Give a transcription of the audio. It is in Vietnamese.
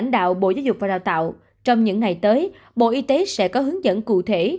lãnh đạo bộ giáo dục và đào tạo trong những ngày tới bộ y tế sẽ có hướng dẫn cụ thể